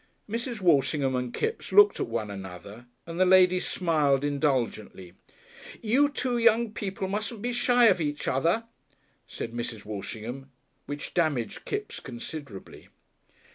Mrs. Walshingham and Kipps looked at one another and the lady smiled indulgently. "You two young people mustn't be shy of each other," said Mrs. Walshingham, which damaged Kipps considerably.